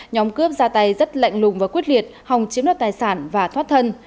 nhóm cướp ra tay rất lạnh lùng và quyết liệt hòng chiếm đoạt tài sản và thoát thân